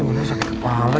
mending sakit kepala